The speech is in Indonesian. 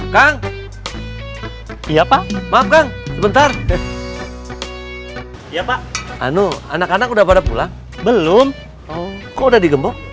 kang iya pak maaf kang sebentar ya pak anu anak anak udah pada pulang belum kok udah digemuk